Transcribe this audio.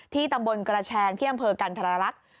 ที่ตำบลกระแชงเคียงเผอกันธรรลักษณ์